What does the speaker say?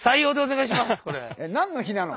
何の碑なの？